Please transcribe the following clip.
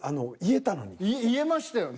言えましたよね。